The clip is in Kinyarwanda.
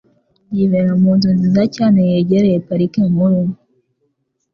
Yibera mu nzu nziza cyane yegereye Parike Nkuru